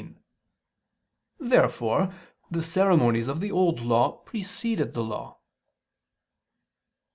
Therefore the ceremonies of the Old Law preceded the Law.